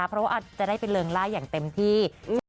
เพราะว่าอาจจะได้ไปเริงล่าอย่างเต็มที่